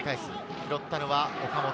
拾ったのは岡本。